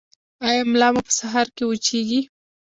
ایا ملا مو په سهار کې وچیږي؟